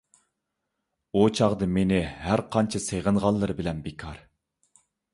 ئۇ چاغدا مېنى ھەرقانچە سېغىنغانلىرى بىلەن بىكار.